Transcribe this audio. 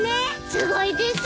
すごいです！